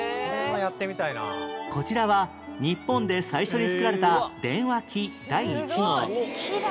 こちらは日本で最初に作られた電話機第１号